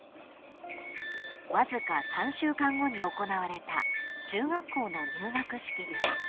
［わずか３週間後に行われた中学校の入学式では］